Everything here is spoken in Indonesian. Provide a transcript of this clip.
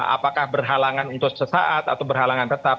apakah berhalangan untuk sesaat atau berhalangan tetap